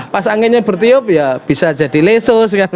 pas anginnya bertiup ya bisa jadi lesu